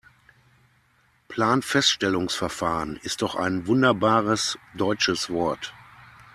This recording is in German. Planfeststellungsverfahren ist doch ein wunderbares deutsches Wort.